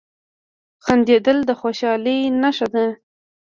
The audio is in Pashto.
• خندېدل د خوشحالۍ نښه ده.